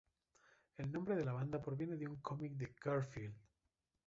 El nombre de la banda proviene de un cómic de Garfield.